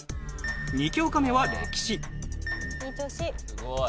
２教科目は歴史。